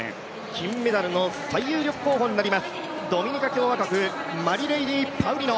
金メダルの最有力候補になります、ドミニカ共和国、マリレイディー・パウリノ。